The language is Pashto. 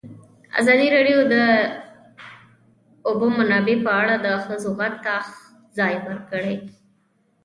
ازادي راډیو د د اوبو منابع په اړه د ښځو غږ ته ځای ورکړی.